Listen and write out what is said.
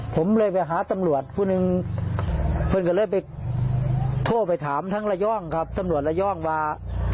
ผมเลยไปหาตำรวจผู้หนึ่งเพื่อนก็เลยไปโทรไปถามทั้งระยองครับตำรวจระยองว่า